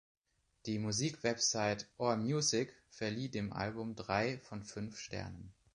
Die Musikwebsite AllMusic verlieh dem Album drei von fünf Sternen.